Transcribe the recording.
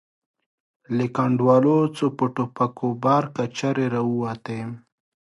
له کنډوالو څو په ټوپکو بار کچرې را ووتې.